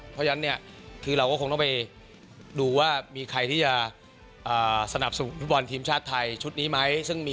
เพราะฉะนั้นเนี่ยคือเราก็คงต้องไปดูว่ามีใครที่จะสนับสนุนฟุตบอลทีมชาติไทยชุดนี้ไหม